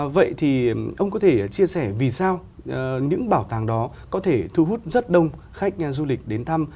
vậy thì ông có thể chia sẻ vì sao những bảo tàng đó có thể thu hút rất đông khách du lịch đến thăm